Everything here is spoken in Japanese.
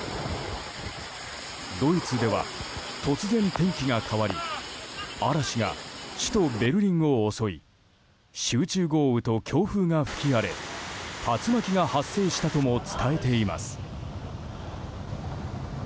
ドイツでは突然天気が変わり嵐が首都ベルリンを襲い集中豪雨と強風が吹き荒れ竜巻が発生したとも伝えています。